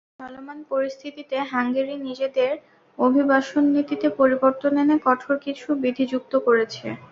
চলমান পরিস্থিতিতে হাঙ্গেরি নিজেদের অভিবাসননীতিতে পরিবর্তন এনে কঠোর কিছু বিধি যুক্ত করেছে।